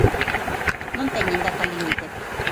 Non teñen data límite.